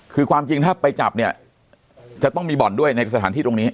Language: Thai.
คือความจริงถ้าไปจับเนี่ยจะต้องมีบ่อนด้วยในสถานที่ตรงนี้